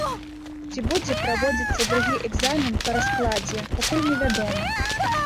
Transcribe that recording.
Ці будзе праводзіцца другі экзамен па раскладзе, пакуль невядома.